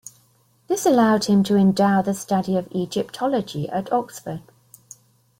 This allowed him to endow the study of Egyptology at Oxford.